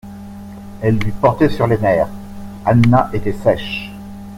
elle lui portait sur les nerfs. Anna était sèche